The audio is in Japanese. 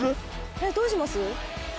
えっどうします？